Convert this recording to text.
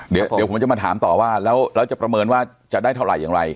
เดี๋ยวผมจะมาถามต่อว่าแล้วจะประเมินว่าจะได้เท่าไหร่อย่างไร